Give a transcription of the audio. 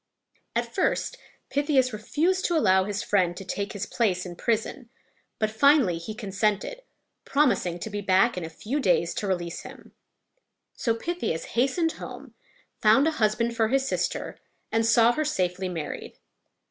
At first Pythias refused to allow his friend to take his place in prison, but finally he consented, promising to be back in a few days to release him. So Pythias hastened home, found a husband for his sister, and saw her safely married.